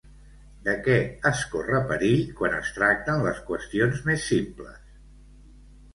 De què es corre perill quan es tracten les qüestions més simples?